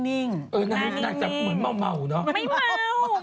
เหมือนเมาเนอะ